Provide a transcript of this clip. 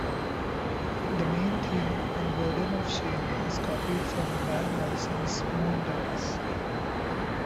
The main theme in "Burden of shame" is copied from Van Morrison's "Moondance".